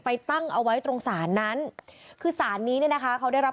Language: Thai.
ตั้งเอาไว้ตรงศาลนั้นคือสารนี้เนี่ยนะคะเขาได้รับ